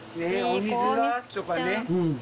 お水は？とかね。